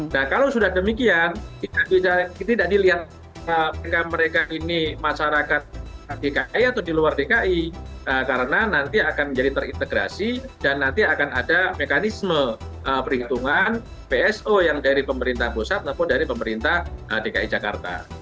nah kalau sudah demikian tidak dilihat apakah mereka ini masyarakat dki atau di luar dki karena nanti akan menjadi terintegrasi dan nanti akan ada mekanisme perhitungan bso yang dari pemerintah pusat maupun dari pemerintah dki jakarta